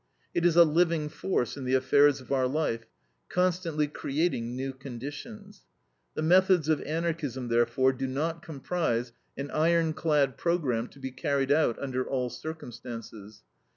It is a living force in the affairs of our life, constantly creating new conditions. The methods of Anarchism therefore do not comprise an iron clad program to be carried out under all circumstances.